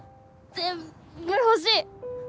全部、欲しい。